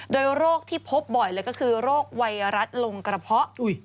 โดยโรคที่พบบ่อยเลยก็คือโรคไวรัสลงกระเพาะ